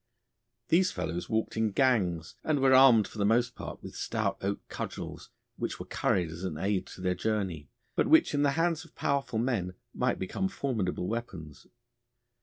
These fellows walked in gangs, and were armed for the most part with stout oak cudgels, which were carried as an aid to their journey, but which in the hands of powerful men might become formidable weapons.